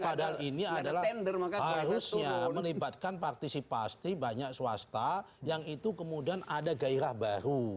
padahal ini adalah harusnya melibatkan partisipasi banyak swasta yang itu kemudian ada gairah baru